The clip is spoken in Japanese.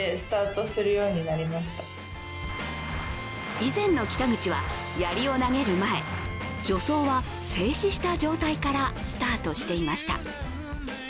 以前の北口は、やりを投げる前助走は静止した状態からスタートしていました